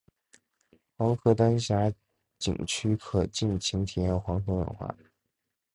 黄河丹霞景区可尽情体验黄河文化。